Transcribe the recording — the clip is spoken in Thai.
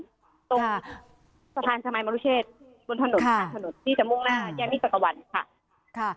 ตรงสะพานสมัยมรุเชษบนถนนที่จะมุ่งหน้าแยกมิสักวันค่ะ